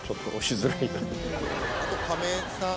あと亀井さん。